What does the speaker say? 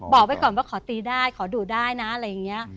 บอกไว้ก่อนว่าขอตีได้ขอดูดได้นะอะไรอย่างนี้